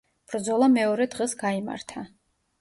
ბრძოლა მეორე დღს გაიმართა.